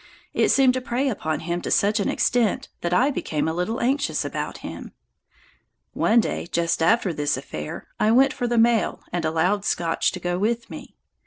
It seemed to prey upon him to such an extent that I became a little anxious about him. One day, just after this affair, I went for the mail, and allowed Scotch to go with me.